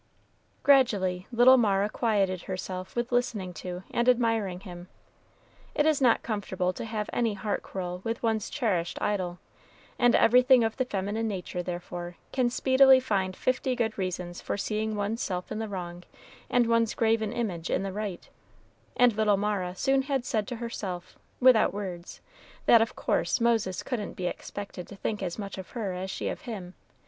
Gradually, little Mara quieted herself with listening to and admiring him. It is not comfortable to have any heart quarrel with one's cherished idol, and everything of the feminine nature, therefore, can speedily find fifty good reasons for seeing one's self in the wrong and one's graven image in the right; and little Mara soon had said to herself, without words, that, of course, Moses couldn't be expected to think as much of her as she of him.